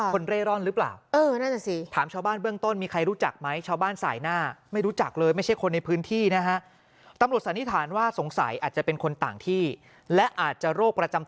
เร่ร่อนหรือเปล่า